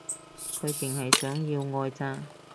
佢淨係想要愛咋